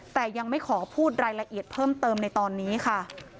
แต่ยังไม่ขอพูดรายละเอียดเพิ่มเติมในตอนนี้ค่ะ